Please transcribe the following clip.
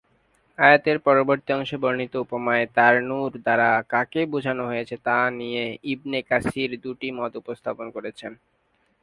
আয়াতের পরবর্তী অংশে বর্ণিত উপমায় "তাঁর নুর" দ্বারা কাকে বুঝানো হয়েছে তা নিয়ে ইবনে কাসির দুটি মত উপস্থাপন করেছেন।